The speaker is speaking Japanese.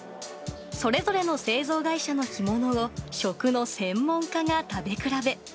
それぞれの製造会社の干物を、食の専門家が食べ比べ。